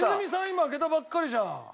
今開けたばっかりじゃん。